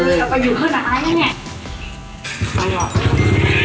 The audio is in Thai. อร่อย